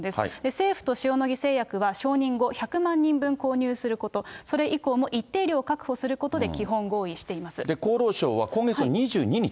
政府と塩野義製薬は承認後１００万人分購入すること、それ以降も一定量を確保することで基本合意厚労省は今月の２２日？